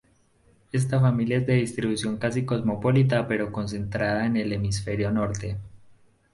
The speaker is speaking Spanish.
Esta familia es de distribución casi cosmopolita pero concentrada en el hemisferio norte.